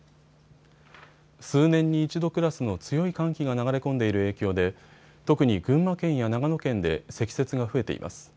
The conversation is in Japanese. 数年に一度クラスの強い寒気が流れ込んでいる影響で特に群馬県や長野県で積雪が増えています。